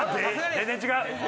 全然違う！